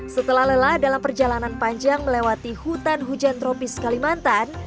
setelah lelah dalam perjalanan panjang melewati hutan hujan tropis kalimantan